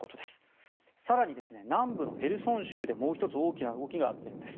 更に、南部のヘルソン州でもう１つ大きな動きがあったようです。